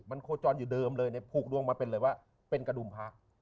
โคจรอยู่เดิมเลยเนี่ยผูกดวงมาเป็นเลยว่าเป็นกระดุมพระ